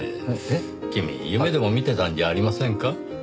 君夢でも見てたんじゃありませんか？